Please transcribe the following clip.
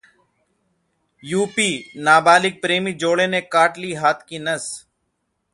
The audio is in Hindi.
यूपीः नाबालिग प्रेमी जोड़े ने काट ली हाथ की नस